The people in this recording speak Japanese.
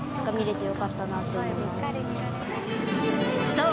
そう！